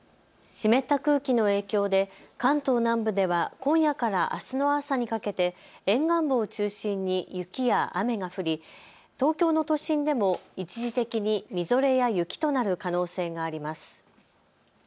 湿った空気の影響で関東南部では今夜からあすの朝にかけて沿岸部を中心に雪や雨が降り東京の都心でも一時的にみぞれや雪となる可能性があります。